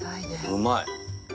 うまい！